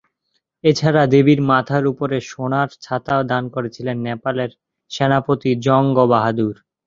এছাড়া দেবীর মাথার উপরের সোনার ছাতা দান করেছিলেন নেপালের সেনাপতি জঙ্গ বাহাদুর।